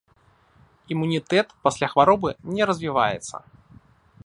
Імунітэт пасля хваробы не развіваецца.